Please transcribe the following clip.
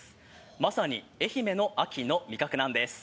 まさに、愛媛の秋の味覚なんです。